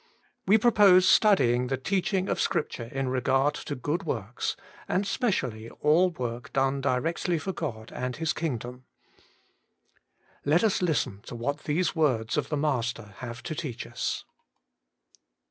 We propose studying the teaching of Scripture in regard to good works, and specially all work done directly for God and His kingdom. Let us listen to what these words of the Master have to teach us.